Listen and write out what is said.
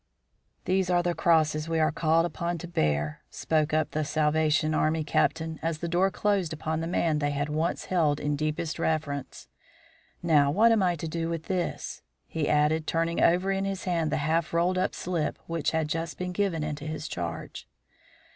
"These are the crosses we are called upon to bear," spoke up the Salvation Army Captain as the door closed upon the man they had once held in deepest reverence. "Now, what am I to do with this?" he added, turning over in his hands the half rolled up slip which had just been given into his charge.